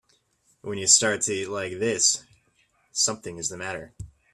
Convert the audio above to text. When you start to eat like this something is the matter.